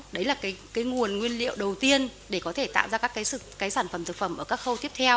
đấy là cái nguồn nguyên liệu đầu tiên để có thể tạo ra các sản phẩm thực phẩm ở các khâu tiếp theo